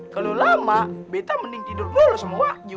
kalau lama beta mending tidur dulu semua